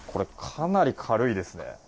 かなり軽いですね。